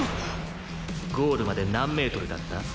ゴールまで何メートルだった？